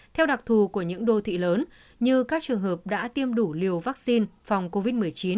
theo đặc thù của những đô thị lớn như các trường hợp đã tiêm đủ liều vaccine phòng covid một mươi chín